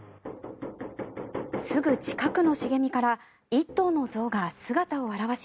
すぐ近くの茂みから１頭の象が姿を現し